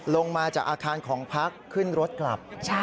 ลงมาจากอาคารของพักขึ้นรถกลับ